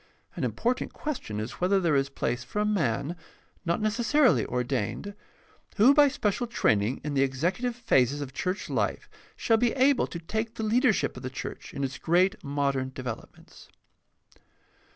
An important question is whether there is place for a man, not necessarily ordained, who by special training in the executive phases of church life shall be able to take the leadership of the church in its great modern develop ments.